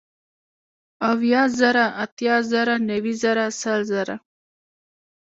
اويه زره ، اتيا زره نوي زره سل زره